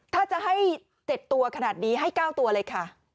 ถ้าจะให้๗ตัวขนาดนี้ให้๙ตัวเลยค่ะ